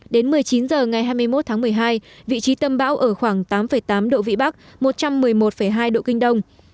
đến một mươi chín h ngày hai mươi một tháng một mươi hai vị trí tâm bão ở khoảng tám tám độ vĩ bắc một trăm một mươi một hai độ kinh đông